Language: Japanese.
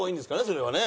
それはね。